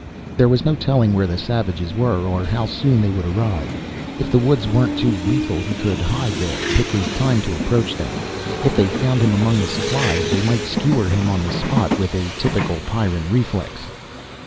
There was no telling where the savages were, or how soon they would arrive. If the woods weren't too lethal he could hide there, pick his time to approach them. If they found him among the supplies, they might skewer him on the spot with a typical Pyrran reflex.